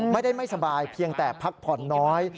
ไม่สบายเพียงแต่พักผ่อนน้อย